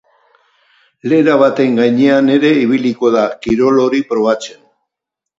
Lera baten gainean ere ibiliko da, kirol hori probatzen.